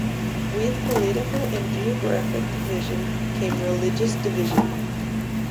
With political and geographic division came religious division.